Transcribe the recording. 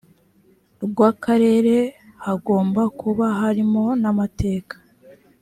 rw akarere hagomba kuba harimo n amateka